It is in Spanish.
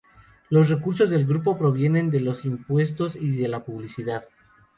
Los recursos del grupo provienen de los impuestos y de la publicidad.